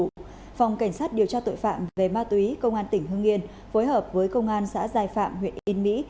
phòng cảnh sát điều tra tội phạm về ma túy công an tỉnh hương yên phối hợp với công an xã giai phạm huyện yên mỹ